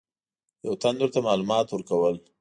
یو تن ورته معلومات ورکول.